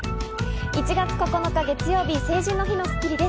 １月９日、月曜日、成人の日の『スッキリ』です。